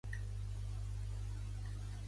Charles Yorke, segon fill del primer comte.